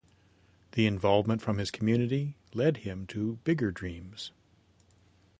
The involvement from his community led him to bigger dreams.